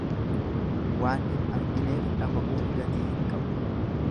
Waan hin argineef dhama'uun gatii hin gabu.